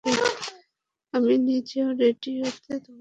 আমি নিজেও রেডিওতে তোমাকে নিয়ে কথা বলেছি।